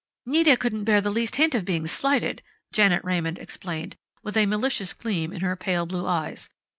'" "Nita couldn't bear the least hint of being slighted," Janet Raymond explained, with a malicious gleam in her pale blue eyes.